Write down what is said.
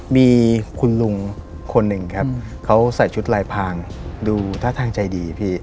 มีคุณลุงคนหนึ่งครับเขาใส่ชุดลายพางดูท่าทางใจดีพี่